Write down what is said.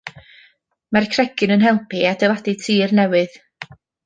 Mae'r cregyn yn help i adeiladu tir newydd.